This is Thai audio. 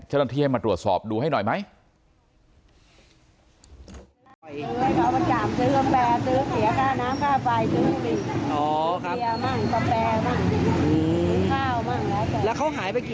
เจ้าหน้าที่ให้มาตรวจสอบดูให้หน่อยไหม